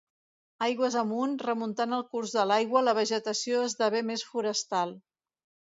Aigües amunt, remuntant el curs de l’aigua, la vegetació esdevé més forestal.